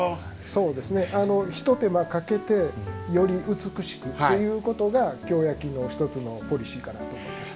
ひと手間かけてより美しくということが京焼の１つのポリシーかなと思います。